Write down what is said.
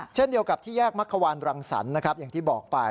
เช่นเดียวกับที่แยกมักขวานรังสรรค์นะครับอย่างที่บอกไป